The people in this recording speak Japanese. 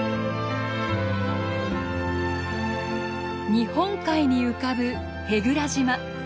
日本海に浮かぶ舳倉島。